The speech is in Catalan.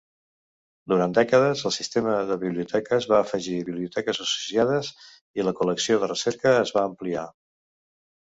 Durant dècades, el sistema de biblioteques va afegir biblioteques associades i la col·lecció de recerca es va ampliar.